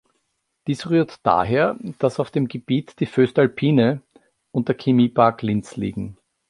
Dies rührt daher, dass auf dem Gebiet die "voestalpine" und der Chemiepark Linz liegen.